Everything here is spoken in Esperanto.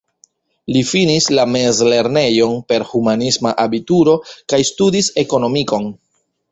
Li finis la mezlernejon per humanisma abituro kaj studis ekonomikon.